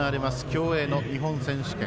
競泳の日本選手権。